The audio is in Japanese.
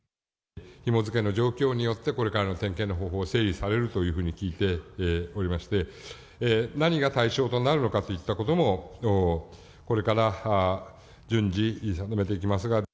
ひも付けの状況によって、これからの点検の方法を整理されるというふうに聞いておりまして、何が対象となるのかといったことも、これから順次、定めていきますが。